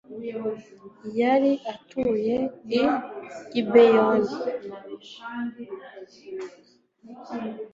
yari atuye i Gibeyoni